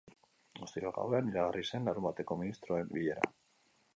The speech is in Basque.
Ostiral gauean iragarri zen larunbateko ministroen bilera.